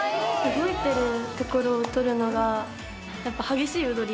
動いてるところを撮るのがやっぱ激しい踊り？